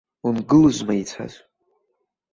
Унгылозма ицаз.